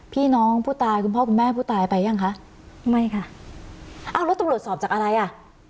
พี่น้องผู้ตายคุณพ่อคุณแม่ผู้ตายไปยังคะไม่ค่ะอ้าวแล้วตำรวจสอบจากอะไรอ่ะ